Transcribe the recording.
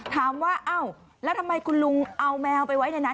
ถามว่าอ้าวแล้วทำไมคุณลุงเอาแมวไปไว้ในนั้น